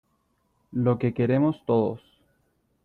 lo que queremos todos: